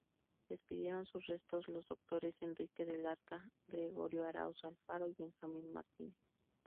Despidieron sus restos los doctores Enrique del Arca, Gregorio Aráoz Alfaro y Benjamín Martínez.